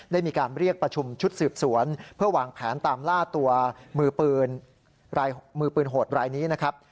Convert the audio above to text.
ได้มีการเรียกประชุมชุดสืบสวนเพื่อวางแผนตามล่าตัวมือปืนมือปืนโหดรายนี้นะครับ